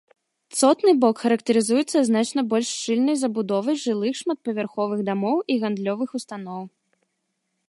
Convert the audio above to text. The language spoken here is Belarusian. Цотны бок характарызуецца значна больш шчыльнай забудовай жылых шматпавярховых дамоў і гандлёвых устаноў.